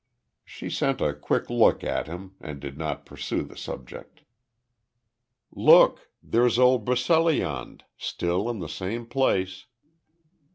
She sent a quick look at him, and did not pursue the subject. "Look. There's old Broceliande still in the same place."